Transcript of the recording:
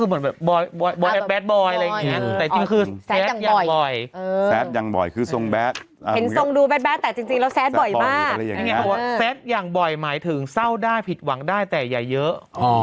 มันไม่ได้ผิดหวังได้แต่อย่าเยอะ